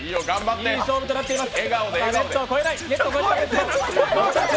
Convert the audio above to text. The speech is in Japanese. いい勝負となっています。